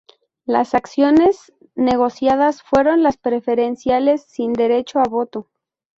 Las acciones negociadas fueron las preferenciales, sin derecho a voto.